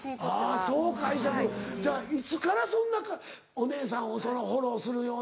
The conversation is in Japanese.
あそう解釈いつからそんなお姉さんをフォローするような。